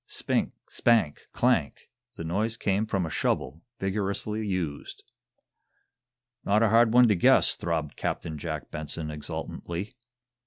Spink! spank! clank! The noise came from a shovel, vigorously used. "Not a hard one to guess," throbbed Captain Jack Benson, exultantly.